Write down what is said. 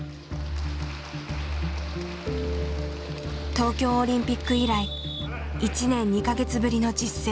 東京オリンピック以来１年２か月ぶりの実戦。